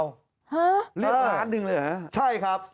ฮะเลือกล้านหนึ่งเลยหรอ